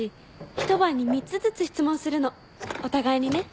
ひと晩に３つずつ質問するのお互いにね。